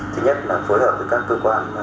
thứ nhất là phối hợp với các cơ quan